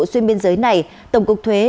xuyên biên giới này tổng cục thuế